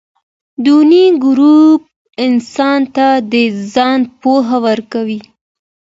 دویني ګروپ انسان ته د ځان پوهه ورکوي.